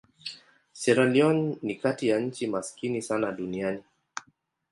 Sierra Leone ni kati ya nchi maskini sana duniani.